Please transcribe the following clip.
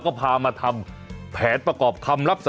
ขอบคุณครับขอบคุณครับ